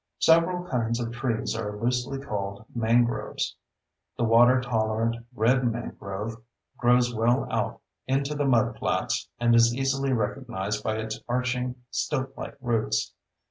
Several kinds of trees are loosely called "mangroves." The water tolerant red mangrove grows well out into the mudflats and is easily recognized by its arching stiltlike roots.